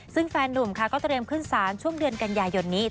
ซึ่งแฟนนุ่มค่ะก็เตรียมขึ้นศาลช่วงเดือนกันยายนนี้